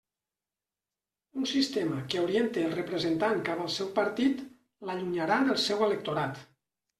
Un sistema que oriente el representant cap al seu partit l'allunyarà del seu electorat.